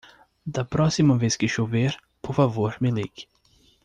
Da próxima vez que chover, por favor me ligue.